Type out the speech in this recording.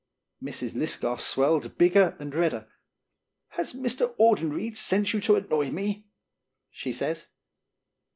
Mrs. Lisgar swelled bigger and redder. " Has Mr. Audenried sent you to annoy me?" she says.